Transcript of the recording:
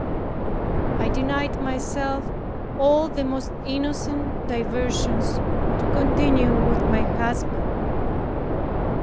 I denied myself all the most innocent diversions to continue with my husband.